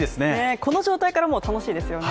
この状態からも楽しいですよね